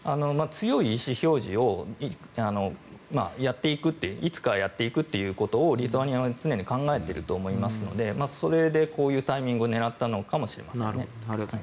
強い意思表示をやっていくいつかはやっていくということをリトアニアは常に考えていると思いますのでそれでこういうタイミングを狙ったのかもしれませんね。